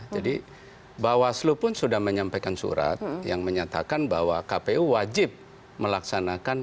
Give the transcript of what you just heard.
jadi bawaslu pun sudah menyampaikan surat yang menyatakan bahwa kpu wajib melaksanakan